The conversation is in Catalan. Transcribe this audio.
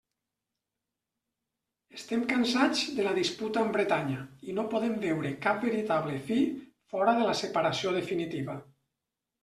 Estem cansats de la disputa amb Bretanya, i no podem veure cap veritable fi fora de la separació definitiva.